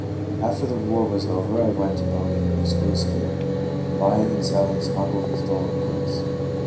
AFTER the war was over I went to boat ing exclusively, buying and selling smuggled and stolen goods.